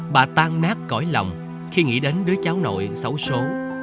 bà tan nát cõi lòng khi nghĩ đến đứa cháu nội xấu xố